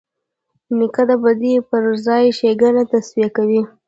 نیکه د بدۍ پر ځای ښېګڼه توصیه کوي.